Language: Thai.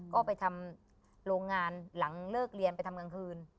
ก็ไปทำโรงงานหลังเลิกเรียนไปทำกลางคืน